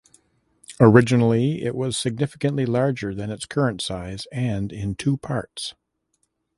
Originally it was significantly larger than its current size and in two parts.